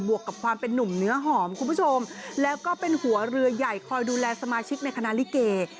วกกับความเป็นนุ่มเนื้อหอมคุณผู้ชมแล้วก็เป็นหัวเรือใหญ่คอยดูแลสมาชิกในคณะลิเก